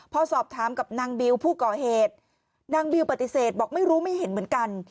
พอสอบถามกับนางบิวผู้ก่อเหตุนางบิวปฏิเสธบอกไม่รู้ไม่เห็นเหมือนกัน